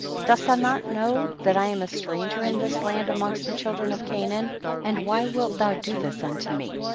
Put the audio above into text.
Dost thou not know that I am a stranger in this land amongst the children of Canaan, and why wilt thou do this unto me